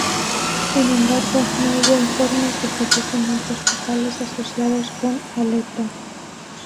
Sin embargo, no hubo informes de fallecimientos totales asociadas con Aletta.